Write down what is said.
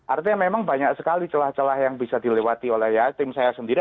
artinya memang banyak sekali celah celah yang bisa dilewati oleh tim saya sendiri